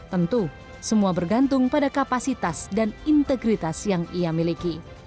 tentu semua bergantung pada kapasitas dan integritas yang ia miliki